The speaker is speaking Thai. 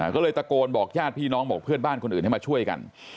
ก็เลยตะโกนบอกญาติพี่น้องบอกเพื่อนบ้านคนอื่นให้มาช่วยกัน